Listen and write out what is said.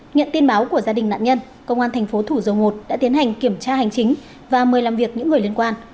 nghiện tin báo của gia đình nạn nhân công an tp thủ dầu một đã tiến hành kiểm tra hành chính và mời làm việc những người liên quan